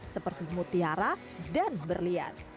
seperti mutiara dan berlian